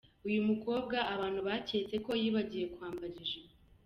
Uyu mukobwa abantu baketse ko yibagiwe kwambara ijipo.